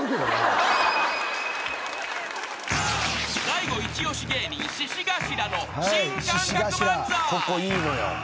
［大悟一押し芸人シシガシラの新感覚漫才］